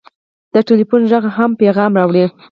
د ټېلفون غږ هم پیغام راوړي.